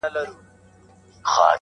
اوس ولي نه وايي چي ښار نه پرېږدو.